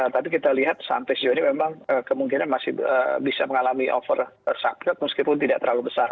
tapi kita lihat saham tes jualnya memang kemungkinan masih bisa mengalami over succes meskipun tidak terlalu besar